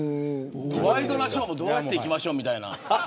ワイドナショーもどうやっていきましょうみたいな。